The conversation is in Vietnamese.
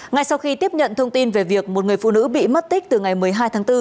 ngay sau khi tiếp nhận thông tin về việc một người phụ nữ bị mất tích từ ngày một mươi hai tháng bốn